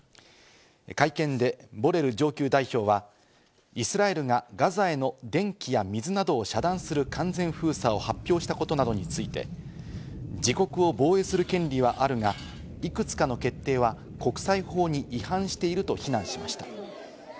会見でボレル上級代表は、イスラエルがガザへの電気や水などを遮断する完全封鎖を発表したことなどについて、自国を防衛する権利はあるが、いくつかの決定は国際法に違反していると非難しました。